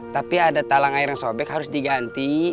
tapi ada talang air yang sobek harus diganti